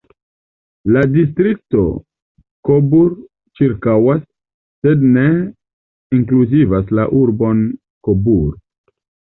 La distrikto Coburg ĉirkaŭas, sed ne inkluzivas la urbon Coburg.